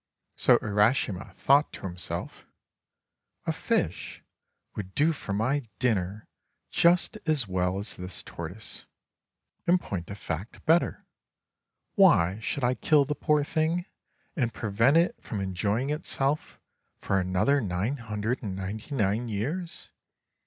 So Urashima thought to himself: "A fish would do for my dinner just as well as this tortoise; in point of fact, better. Why should I kill the poor thing, and prevent it from enjoying itself for another 999 years?